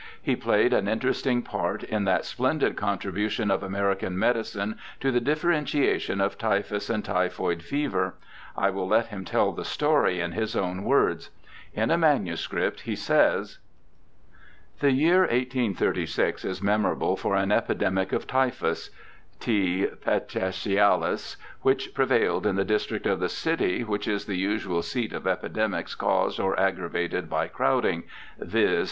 He played an interesting part in that splendid contribution of American medicine to the differentiation of typhus and typhoid fever. 1 ' Died April 20, 1902. ALFRED STILL6 237 will let him tell the story in his own words. In a manu script he says : 'The year 1836 is memorable for an epidemic of typhus (t. petechiaHs) which prevailed in the district of the city w^hich is the usual seat of epidemics caused or aggravated by crowding, viz.